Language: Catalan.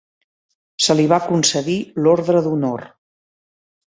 Se li va concedir l'Ordre d'Honor.